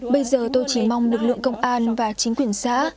bây giờ tôi chỉ mong lực lượng công an và chính quyền xã